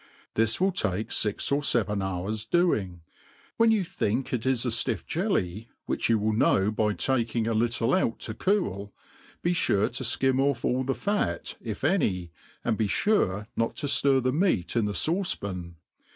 This will take iix or feven hours doing. When yqu think, it is a ftiff jelly, which you will know by taking a little out to cool, be fure to. ikim off all the fat, if any, and be fure not to ftir the meat in the fauce pan.